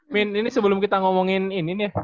min ini sebelum kita ngomongin ini nih